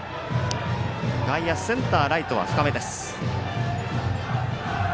外野センター、ライトは深めです。